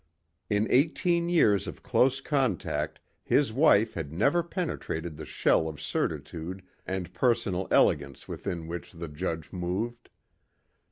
In eighteen years of close contact his wife had never penetrated the shell of certitude and personal elegance within which the judge moved.